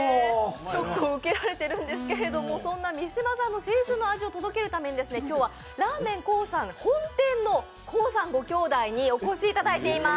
ショックを受けられているんですけど、そんな三島さんの青春の味を届けるために今日はらーめんコーさん本店のコーさんご兄弟にお越しいただいています。